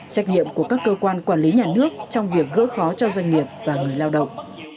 trách nhiệm của các cơ quan quản lý nhà nước trong việc gỡ khó cho doanh nghiệp và người lao động